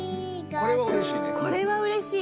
これはうれしい。